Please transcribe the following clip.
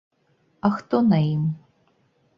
А хто на ім?